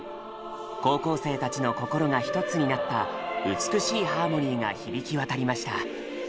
高校生たちの心がひとつになった美しいハーモニーが響き渡りました。